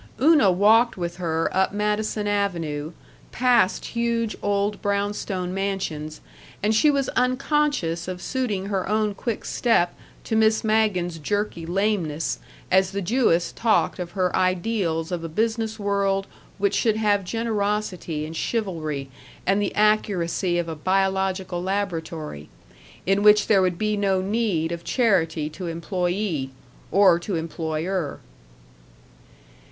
Una walked with her up Madison Avenue, past huge old brownstone mansions, and she was unconscious of suiting her own quick step to Miss Magen's jerky lameness as the Jewess talked of her ideals of a business world which should have generosity and chivalry and the accuracy of a biological laboratory; in which there would be no need of charity to employee.... Or to employer.